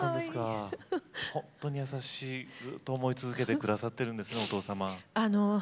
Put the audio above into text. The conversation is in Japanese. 本当に優しいずっと思い続けてくださっているんですね、お父様。